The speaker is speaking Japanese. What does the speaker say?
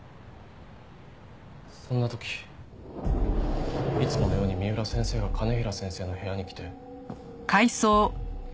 そんな時いつものように三浦先生が兼平先生の部屋に来て。